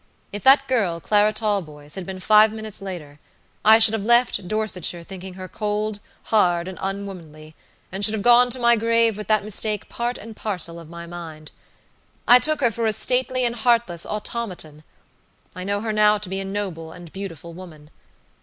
If that girl, Clara Talboys, had been five minutes later, I should have left Dorsetshire thinking her cold, hard, and unwomanly, and should have gone to my grave with that mistake part and parcel of my mind. I took her for a stately and heartless automaton; I know her now to be a noble and beautiful woman.